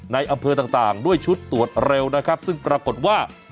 ในอำเภอต่างด้วยชุดตรวจเร็วนะครับซึ่งปรากฏว่า